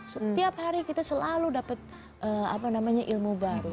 setiap hari kita selalu dapat apa namanya ilmu baru